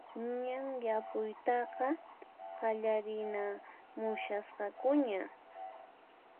Ñan yapuytaqa qallariramushasqakuña